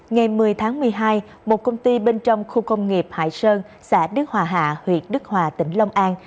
ngày một mươi tháng một mươi hai một công ty bên trong khu công nghiệp hải sơn xã đức hòa hạ huyện đức hòa tỉnh long an